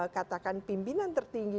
katakan pimpinan tertinggi